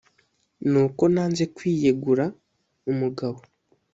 Ni uko nanze kwiyegura umugabo